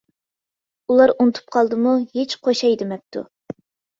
ئۇلار ئۇنتۇپ قالدىمۇ ھېچ قوشاي دېمەپتۇ.